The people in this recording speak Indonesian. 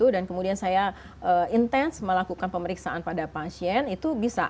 dan kemudian saya intens melakukan pemeriksaan pada pasien itu bisa